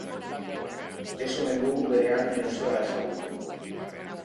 Ez omen dugu bere ahalmen osoa ezagutu.